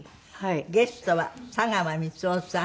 ゲストは佐川満男さん。